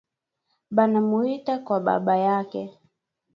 Banamuita kwa babayake